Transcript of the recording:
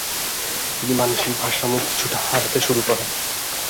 তিনি মানসিক ভারসাম্য কিছুটা হারাতে শুরু করেন।